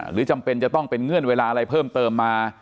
จำเป็นจะต้องเป็นเงื่อนเวลาอะไรเพิ่มเติมมา